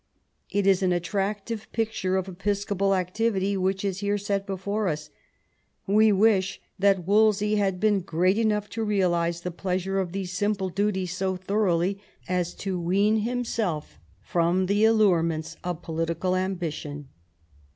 It is an attractive picture of episcopal activity which is here set before us. We wish that Wolsey had been great enough to realise the pleasure of these simple duties so thoroughly as to wean himself from the allurements of political ambition.